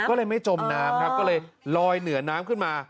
ก็เลยไม่จมน้ำครับก็เลยลอยเหนือน้ำขึ้นมา